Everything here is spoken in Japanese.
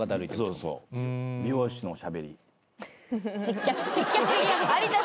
そうそう美容師のしゃべり。